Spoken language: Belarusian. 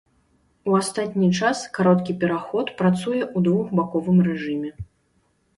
У астатні час кароткі пераход працуе ў двухбаковым рэжыме.